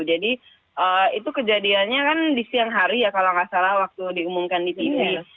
jadi itu kejadiannya kan di siang hari ya kalau gak salah waktu diumumkan di tv